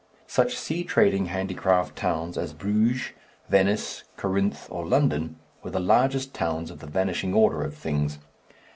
Such sea trading handicraft towns as Bruges, Venice, Corinth, or London were the largest towns of the vanishing order of things.